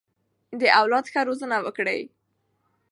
د اولاد ښه روزنه وکړئ.